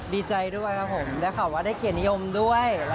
ดีใจด้วยครับผมได้ข่าวว่าได้เกียรตินิยมด้วย